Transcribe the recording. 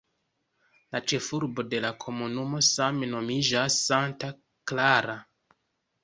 La ĉefurbo de la komunumo same nomiĝas "Santa Clara".